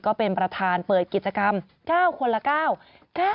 ก็เป็นประธานเปิดกิจกรรม๙คนละ๙